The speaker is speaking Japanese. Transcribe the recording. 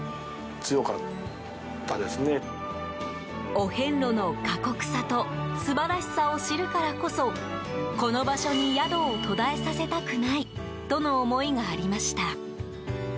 お遍路の過酷さと素晴らしさを知るからこそこの場所に宿を途絶えさせたくないとの思いがありました。